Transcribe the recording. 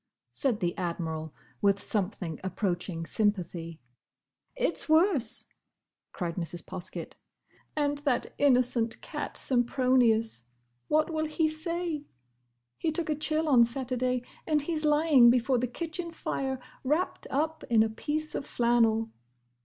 said the Admiral, with something approaching sympathy. "It's worse!" cried Mrs. Poskett. "And that innocent cat, Sempronius!—What will he say? He took a chill on Saturday and he's lying before the kitchen fire wrapped up in a piece of flannel.